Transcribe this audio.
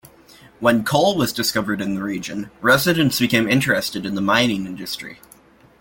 When coal was discovered in the region, residents became interested in the mining industry.